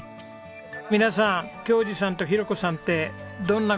皆さん恭嗣さんと浩子さんってどんなご夫婦ですか？